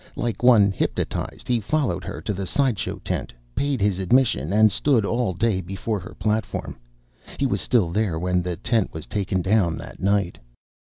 Like one hypnotized he followed her to the side show tent, paid his admission, and stood all day before her platform. He was still there when the tent was taken down that night.